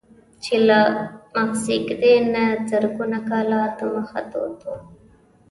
چې له مخزېږدي نه زرګونه کاله دمخه دود و.